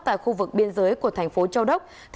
tại khu vực biên giới của thành phố châu đốc